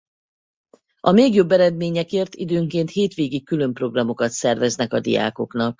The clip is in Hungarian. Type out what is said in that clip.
A még jobb eredményekért időnként hétvégi külön programokat szerveznek a diákoknak.